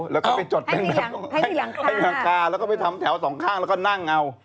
แล้วก็ไปจดเป็นแบบให้หลังคาแล้วก็ไปทำแถวสองข้างแล้วก็นั่งเอา